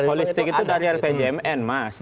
holistik itu dari rpjmn mas